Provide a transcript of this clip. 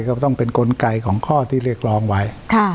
ก็ต้องเป็นกลไกของข้อที่เรียกร้องไว้